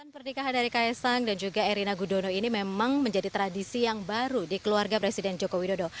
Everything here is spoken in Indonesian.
pernikahan dari kaisang dan juga erina gudono ini memang menjadi tradisi yang baru di keluarga presiden joko widodo